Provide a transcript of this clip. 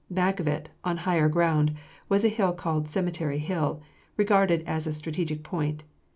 Back of it, on higher ground, was a hill called Cemetery Hill, regarded as a strategic point.